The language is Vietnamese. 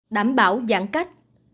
đảm bảo giãn cách